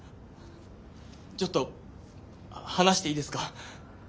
ちょっと話していいですか？